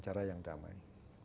cara yang damai